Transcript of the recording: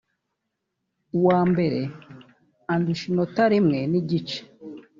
uwa mbere andusha inota rimwe n’igice